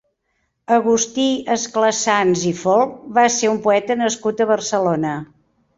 Agustí Esclasans i Folch va ser un poeta nascut a Barcelona.